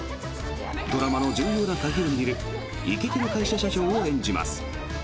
ドラマの重要な鍵を握るイケてる会社社長を演じます。